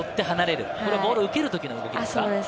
ボールを受けるときの動きですね。